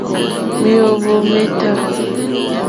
Mèóhwò mé tâ.